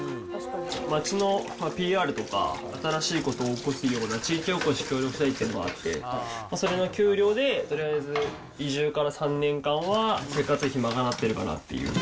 町のＰＲとか、新しいことを起こすような地域おこし協力隊っていうのあって、それの給料でとりあえず移住から３年間は生活費賄ってるかなって